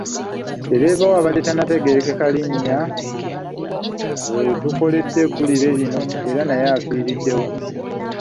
Ddereeva we abadde tannategeerekeka linnya we tukoledde eggulire lino era ye afiiriddewo.